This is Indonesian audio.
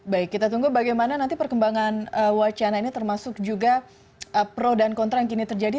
baik kita tunggu bagaimana nanti perkembangan wacana ini termasuk juga pro dan kontra yang kini terjadi